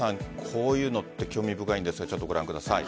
こういうのって興味深いですがご覧ください。